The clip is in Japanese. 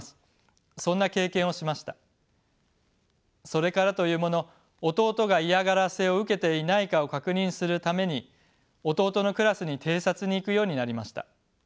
それからというもの弟が嫌がらせを受けていないかを確認するために弟のクラスに偵察に行くようになりました。